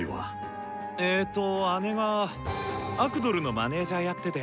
えと姉がアクドルのマネージャーやってて。